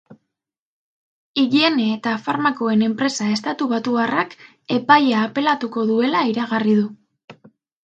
Higiene eta farmakoen enpresa estatubatuarrak epaia apelatuko duela iragarri du.